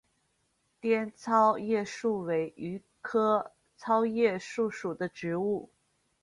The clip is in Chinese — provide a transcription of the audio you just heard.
滇糙叶树为榆科糙叶树属的植物。